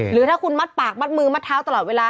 หรือถ้าคุณมัดปากมัดมือมัดเท้าตลอดเวลา